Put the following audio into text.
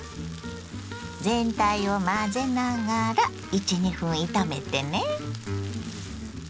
全体を混ぜながら１２分炒めてね。